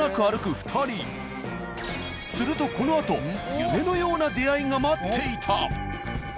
するとこのあと夢のような出会いが待っていた。